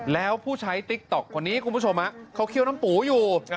แล้วผู้ใช้ติ๊กต๊อกคนนี้คุณผู้ชมเขาเคี่ยวน้ำปูอยู่